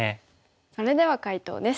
それでは解答です。